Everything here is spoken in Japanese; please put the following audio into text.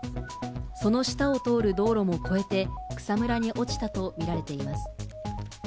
その下を通る道路も越えて、草むらに落ちたと見られています。